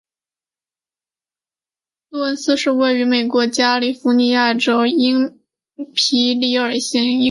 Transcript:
杜恩斯是位于美国加利福尼亚州因皮里尔县的一个非建制地区。